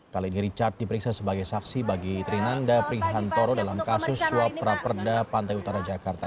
kali ini richard diperiksa sebagai saksi bagi trinanda prihantoro dalam kasus suap raperda pantai utara jakarta